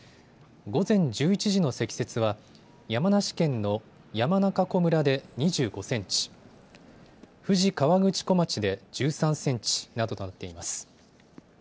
午前１１時の積雪は山梨県の山中湖村で２５センチ、富士河口湖町で１３センチなどとなっています。